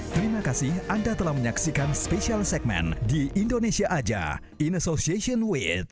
terima kasih anda telah menyaksikan special segmen di indonesia aja in association with